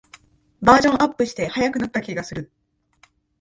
バージョンアップして速くなった気がする